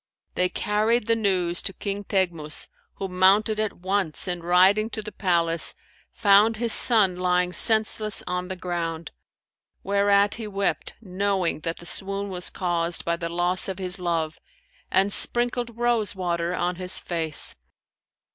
They carried the news to King Teghmus, who mounted at once and riding to the palace, found his son lying senseless on the ground; whereat he wept knowing that the swoon was caused by the loss of his love, and sprinkled rose water on his face.